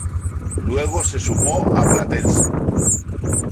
Luego se sumó a Platense.